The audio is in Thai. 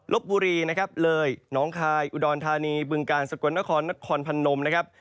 ลบบุรีเลยน้องคายอุดรธานีบึงกาลสกวนนครนครพรรณม